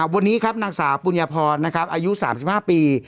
วันนี้ครับนักศาสตร์ปุญญพรอายุ๓๕ปี